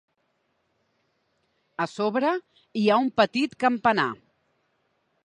A sobre hi ha un petit campanar.